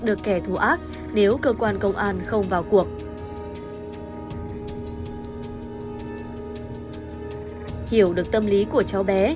được kẻ thù ác nếu cơ quan công an không vào cuộc hiểu được tâm lý của cháu bé